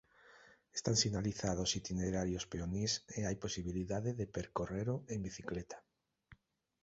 Están sinalizados itinerarios peonís e hai posibilidade de percorrelo en bicicleta.